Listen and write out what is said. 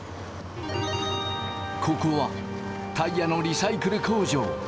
ここはタイヤのリサイクル工場。